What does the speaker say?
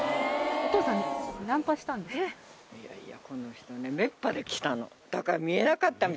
いやいや。